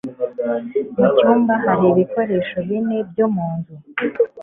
Mu cyumba hari ibikoresho bine byo mu nzu.